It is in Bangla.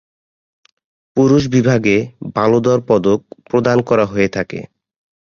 পুরুষ বিভাগে বালোঁ দর পদক প্রদান করা হয়ে থাকে।